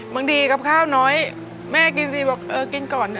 บางทีกับข้าวน้อยแม่กินฟรีบอกเออกินก่อนเถ